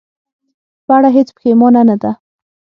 په اړه هېڅ پښېمانه نه ده.